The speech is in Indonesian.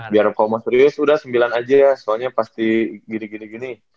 biar kalau mau serius udah sembilan aja ya soalnya pasti gini gini